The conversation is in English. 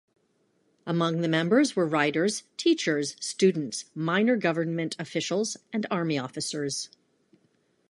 Among the members were writers, teachers, students, minor government officials, and army officers.